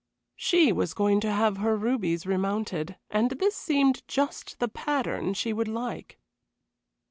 She was going to have her rubies remounted, and this seemed just the pattern she would like.